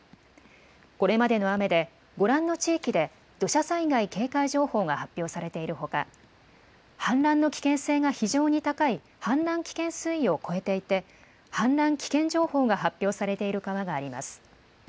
これまでの雨で、ご覧の地域で土砂災害警戒情報が発表されているほか、氾濫の危険性が非常に高い氾濫危険水位を超えていて、氾濫危険情報が発表されている川があります。